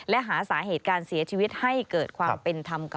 และหาสาเหตุการเสียชีวิตให้เกิดความเป็นธรรมกับ